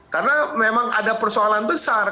karena memang ada persoalan besar